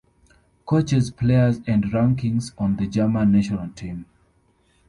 Coaches, Players and rankings of the German national team.